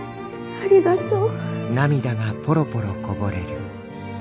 ありがとう。